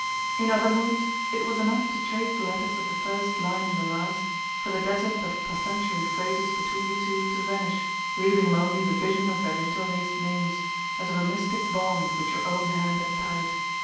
In other moods it was enough to trace the letters of the first line and the last for the desert of perfunctory phrases between the two to vanish, leaving him only the vision of their interlaced names, as of a mystic bond which her own hand had tied.